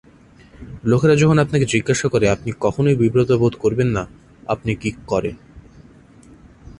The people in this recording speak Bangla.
লোকেরা যখন আপনাকে জিজ্ঞাসা করে, আপনি কখনই বিব্রত বোধ করবেন না, 'আপনি কী করেন?'